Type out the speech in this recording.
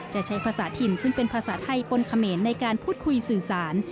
จะใช้ภาษาถิ่นซึ่งเป็นภาษาไทยปนเขมรในการพูดคุยสื่อสาร